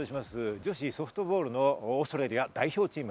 女子ソフトボールのオーストラリア代表チーム。